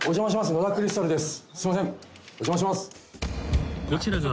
野田クリスタルです」